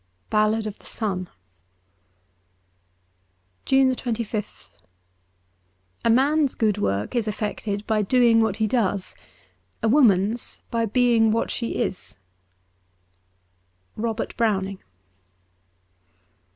'Ballad of the Sun.' 193 JUNE 25th A MAN'S good work is effected by doing what he does : a woman's by being what she is, ' Robert Browning.'